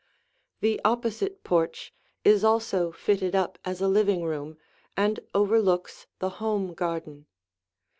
The opposite porch is also fitted up as a living room and overlooks the home garden.